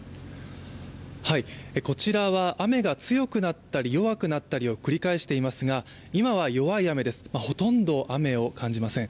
こちらは雨が強くなったり弱くなったりを繰り返していますが、今は弱い雨です、ほとんど雨を感じません。